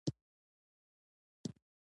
فلیریک له جامې نه کتاب راویوست.